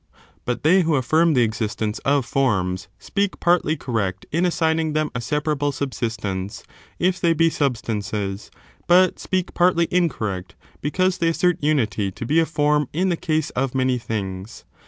But they who affirm the existence of forms,^ s. The Platonic speak partly correct in assigning them a separable 'jl^'^owfe? subsistence, if they be substances, but speak trae, andhow partly incorrect, because they assert unity to be ^"*^"®* a form in the case of many things.